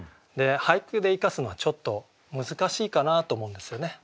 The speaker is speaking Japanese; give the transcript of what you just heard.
俳句で生かすのはちょっと難しいかなと思うんですよね。